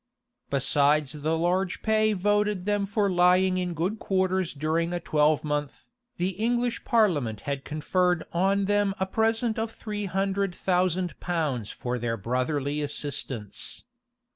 Besides the large pay voted them for lying in good quarters during a twelvemonth, the English parliament had conferred on them a present of three hundred thousand pounds for their brotherly assistance.